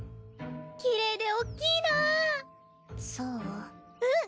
きれいでおっきいなぁそううん。